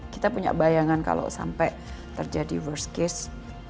kita punya bayangan kalau sampai terjadi worst case